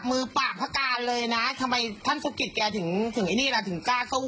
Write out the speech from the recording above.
มือปากพระการเลยนะทำไมท่านสุกิตแกถึงถึงไอ้นี่ล่ะถึงกล้าสู้